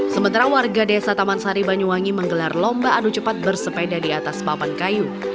sementara warga desa taman sari banyuwangi menggelar lomba adu cepat bersepeda di atas papan kayu